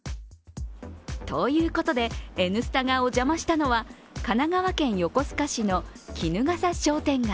ということで、「Ｎスタ」がお邪魔したのは神奈川県横須賀市の衣笠商店街。